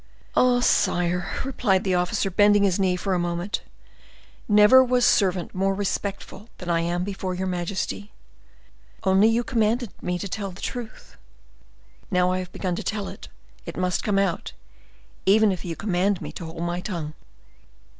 "Ah! sire," replied the officer, bending his knee for a moment, "never was servant more respectful than I am before your majesty; only you commanded me to tell the truth. Now I have begun to tell it, it must come out, even if you command me to hold my tongue."